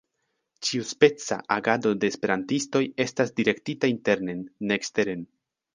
Ĉiuspeca agado de esperantistoj estas direktita internen, ne eksteren.